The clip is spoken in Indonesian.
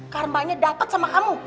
karmanya dapat sama kamu